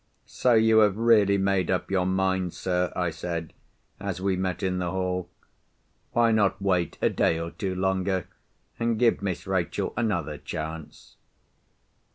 "So you have really made up your mind, sir?" I said, as we met in the hall. "Why not wait a day or two longer, and give Miss Rachel another chance?"